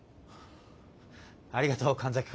ありがとう神崎君。